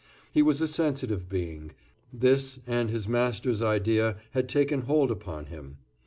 He was a sensitive being, this, and his master's idea had taken hold upon him.